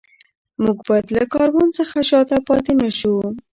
موږ باید له کاروان څخه شاته پاتې نه شو.